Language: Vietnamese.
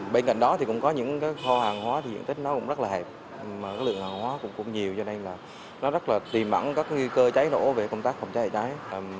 bên cạnh đó thì cũng có những kho hàng hóa thì diện tích nó cũng rất là hẹp mà cái lượng hàng hóa cũng nhiều cho nên là nó rất là tìm ẩn các nguy cơ cháy nổ về công tác phòng cháy cháy